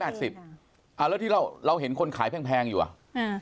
ขาย๘๐แล้วเราเห็นคนขายแพงอยู่อ่ะ